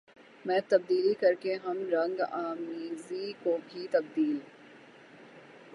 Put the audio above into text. میں تبدیلی کر کے ہم رنگ آمیزی کو بھی تبدیل